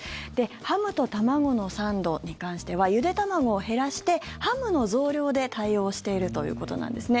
ハムとたまごのサンドに関してはゆで卵を減らしてハムの増量で対応しているということなんですね。